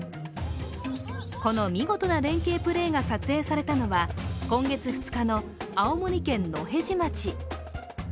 この見事な連係プレーが撮影されたのは今月２日の青森県野辺地町。